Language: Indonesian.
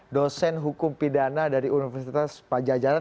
dosen hukum pidana dari universitas pajajaran